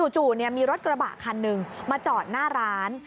จู่มีรถกระบะคันหนึ่งมาจอดหน้าร้าน